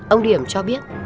ông điểm cho biết